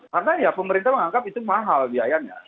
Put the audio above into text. karena ya pemerintah menganggap itu mahal biayanya